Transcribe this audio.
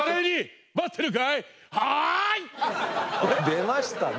出ましたね。